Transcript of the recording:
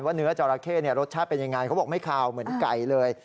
เนื้อจอราเข้รสชาติเป็นยังไงเขาบอกไม่ขาวเหมือนไก่เลย